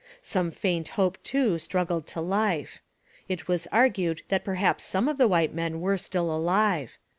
Some faint hope too struggled to life. It was argued that perhaps some of the white men were still alive.